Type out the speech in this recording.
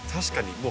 確かに。